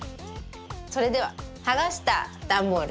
それでははがしたダンボールね。